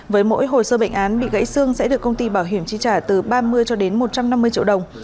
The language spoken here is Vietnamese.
với mỗi hồ sơ bệnh án bị gãy xương sẽ được công ty bảo hiểm chi trả từ ba mươi cho đến một trăm năm mươi triệu đồng